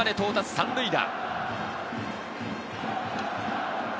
３塁打。